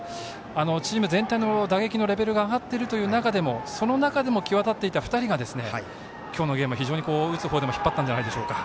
チーム全体の打撃のレベルが上がっているという中でも際立っていた２人が今日のゲーム非常に打つ方でも引っ張ったんじゃないでしょうか。